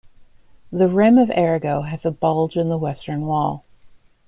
The rim of Arago has a bulge in the western wall.